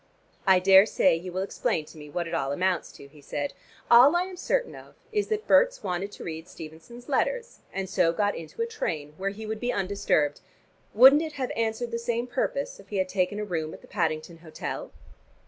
"I daresay you will explain to me what it all amounts to," he said. "All I am certain of is that Berts wanted to read Stevenson's letters and so got into a train, where he would be undisturbed. Wouldn't it have answered the same purpose if he had taken a room at the Paddington hotel?"